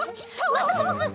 まさともくん！